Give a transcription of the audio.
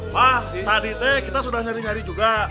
wah tadi teh kita sudah nyari nyari juga